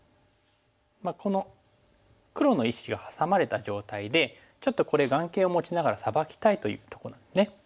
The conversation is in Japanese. この黒の１子がハサまれた状態でちょっとこれ眼形を持ちながらサバきたいというとこなんですね。